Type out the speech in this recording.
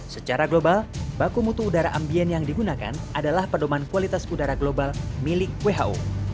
secara global bakumutu udara ambien yang digunakan adalah pendoman kualitas udara global milik who